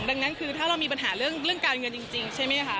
ดังนั้นคือถ้าเรามีปัญหาเรื่องการเงินจริงใช่ไหมคะ